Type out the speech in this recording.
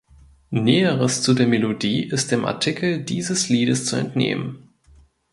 Näheres zu der Melodie ist dem Artikel dieses Liedes zu entnehmen.